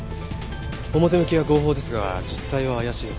表向きは合法ですが実態は怪しいですね。